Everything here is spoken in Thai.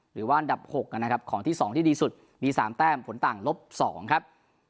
หรือว่าอันดับ๖ของที่๒ที่ดีสุดมี๓แต้มผลต่างลบ๒